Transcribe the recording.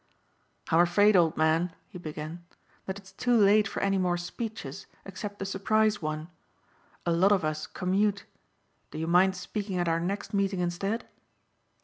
"I'm afraid, old man," he began, "that it's too late for any more speeches except the surprise one. A lot of us commute. Do you mind speaking at our next meeting instead?"